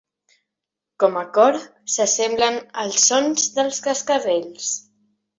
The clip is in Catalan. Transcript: Com a cor, s'assemblen als sons de cascavells.